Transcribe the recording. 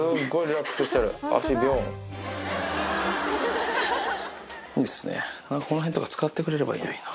なんか、この辺とか使ってくれればいいのにな。